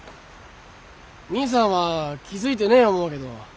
兄さんは気付いてねえ思うけど。